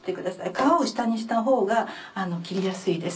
皮を下にしたほうが切りやすいです。